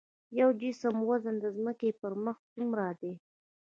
د یو جسم وزن د ځمکې پر مخ څومره دی؟